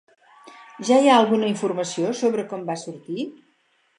Ja hi ha alguna informació sobre com va sortir?